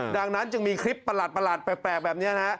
ดังนั้นจึงมีคลิปประหลาดแปลกแบบนี้นะ